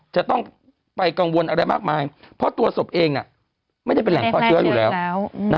จะต้องไปกังวลอะไรมากมายเพราะตัวศพเองไม่ได้เป็นแหล่งพอเชื้ออยู่แล้ว